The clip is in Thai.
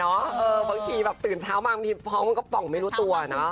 บางทีแบบตื่นเช้ามาบางทีท้องมันก็ป่องไม่รู้ตัวเนอะ